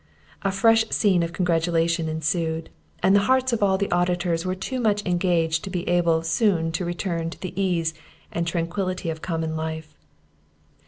A fresh scene of congratulation ensued; and the hearts of all the auditors were too much engaged to be able soon to return to the ease and tranquillity of common life.